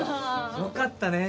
よかったね。